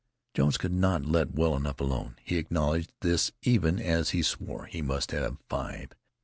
Jones could not let well enough alone; he acknowledged this even as he swore he must have five.